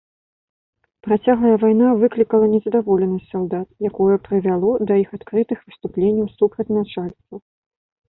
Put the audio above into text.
Працяглая вайна выклікала незадаволенасць салдат, якое прывяло да іх адкрытых выступленняў супраць начальства.